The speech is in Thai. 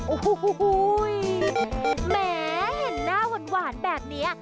โอ้โหแหมเห็นหน้าหวานแบบนี้